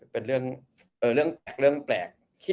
เป็นเรื่องแปลก